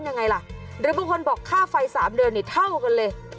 ยังไงล่ะหรือบางคนบอกค่าไฟ๓เดือนนี่เท่ากันเลย